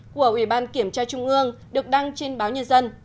của ubnd được đăng trên báo nhân dân